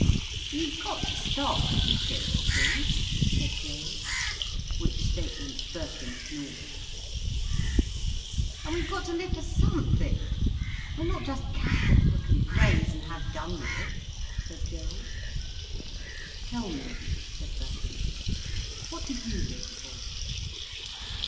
"You've got to start with material things," said Gerald. Which statement Birkin ignored. "And we've got to live for something, we're not just cattle that can graze and have done with it," said Gerald. "Tell me," said Birkin. "What do you live for?"